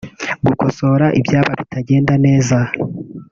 gukosora ibyaba bitagenda neza